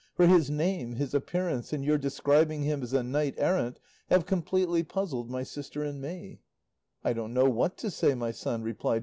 For his name, his appearance, and your describing him as a knight errant have completely puzzled my mother and me." "I don't know what to say, my son," replied.